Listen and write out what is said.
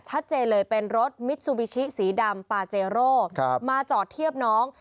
ชัดเจนเลยเป็นรถมิซูบิชิสีดำปาเจโร่มาจอดเทียบน้อง